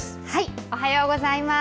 おはようございます。